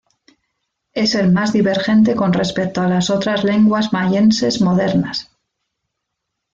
Es el más divergente con respecto a las otras lenguas mayenses modernas.